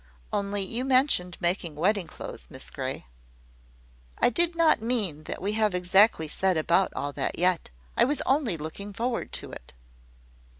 Only you mentioned making wedding clothes, Miss Grey." "I did not mean that we have exactly set about all that yet. I was only looking forward to it."